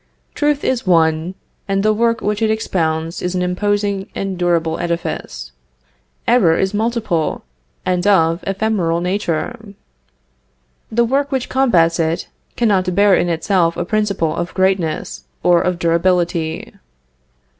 Truth is one, and the work which expounds it is an imposing and durable edifice. Error is multiple, and of ephemereal nature. The work which combats it, cannot bear in itself a principle of greatness or of durability.